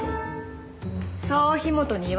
そう樋本に言われたからよ。